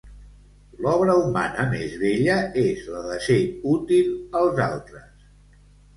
L'obra humana més bella és la de ser útil als altres.